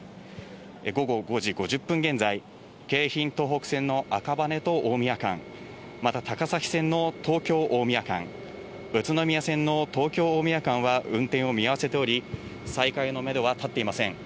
午後５時５０分現在、京浜東北線の赤羽と大宮間、また、高崎線の東京・大宮間、宇都宮線の東京・大宮間は運転を見合わせており、再開のメドは立っていません。